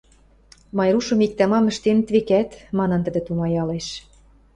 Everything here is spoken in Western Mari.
«Майрушым иктӓ-мам ӹштенӹт, векӓт?» — манын, тӹдӹ тумаялеш.